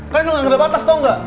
kalian lo gak ada batas tau gak